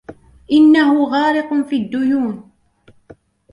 إنه غارق في الديون.